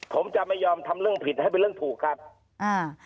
ผมจะไม่ยอมทำเรื่องผิดให้เป็นเรื่องถูกครับอ่า